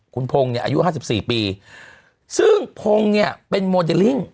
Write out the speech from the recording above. คุณพงศ์เนี่ยอายุห้าสิบสี่ปีซึ่งพงศ์เนี่ยเป็นโมเดลลิ่ง